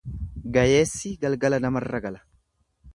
Gayeessi galgala namarra gala.